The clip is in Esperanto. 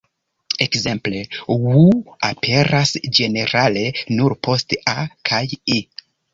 Ekzemple "ŭ" aperas ĝenerale nur post "a" kaj "e".